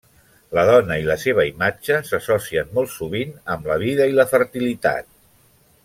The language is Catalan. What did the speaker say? La dona i la seva imatge s'associen molt sovint amb la vida i la fertilitat.